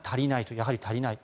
やはり足りないと。